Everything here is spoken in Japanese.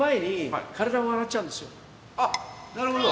あなるほど。